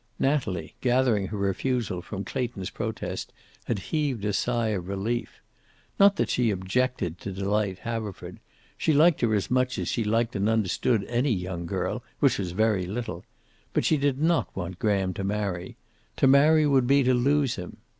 Natalie, gathering her refusal from Clayton's protest, had heaved a sigh of relief. Not that she objected to Delight Haverford. She liked her as much as she liked and understood any young girl, which was very little. But she did not want Graham to marry. To marry would be to lose him.